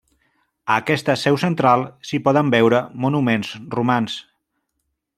A aquesta seu central s'hi poden veure monuments romans.